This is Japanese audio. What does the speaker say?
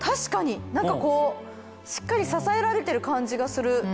何かこうしっかり支えられてる感じがする。